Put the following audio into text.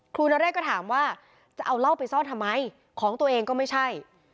นเรศก็ถามว่าจะเอาเหล้าไปซ่อนทำไมของตัวเองก็ไม่ใช่